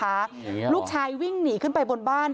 อย่างเงี้ยหรอลูกชายวิ่งหนีขึ้นไปบนบ้าน